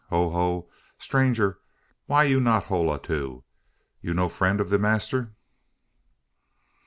Ho! ho! 'tranger! why you no holla too: you no friend ob de massr?"